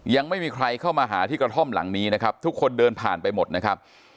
ยังไม่มีใครเข้ามาหาที่กระท่อมหลังนี้นะครับทุกคนเดินผ่านไปหมดนะครับ